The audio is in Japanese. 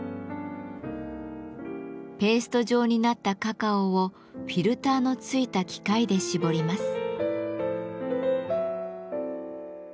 ペースト状になったカカオをフィルターのついた機械でしぼります。